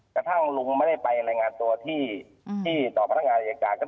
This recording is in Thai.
กระทั่งลุงไม่ได้ไปรายงานตัวที่ต่อพนักงานอายการ